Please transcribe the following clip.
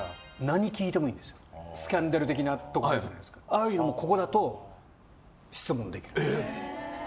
ああいうのもここだと質問できる。